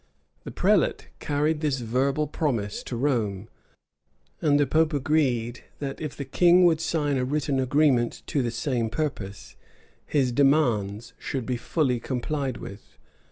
The prelate carried this verbal promise to Rome; and the pope agreed that, if the king would sign a written agreement to the same purpose, his demands should be fully complied with.